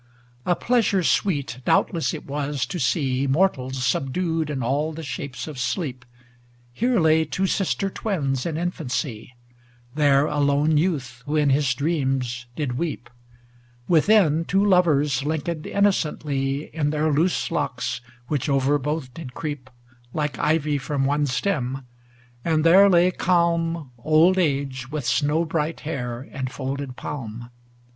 LXI A pleasure sweet doubtless it was to see Mortals subdued in all the shapes of sleep. Here lay two sister twins in infancy; There a lone youth who in his dreams did weep; Within, two lovers linked innocently In their loose locks which over both did creep Like ivy from one stem; and there lay calm Old age with snow bright hair and folded palm.